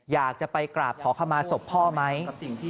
อยากจะไปกราบขอเข้ามาศพพ่อไหม